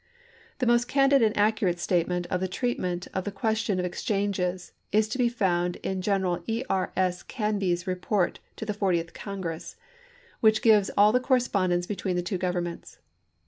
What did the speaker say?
The most candid and accurate statement of the treatment of the question of exchanges is to be found in Greneral E. R. S. Canby's report to the Fortieth Congress, which gives all the correspon dence between the two governments.